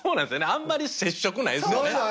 あんまり接触ないっすよね。